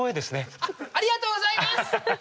ありがとうございます！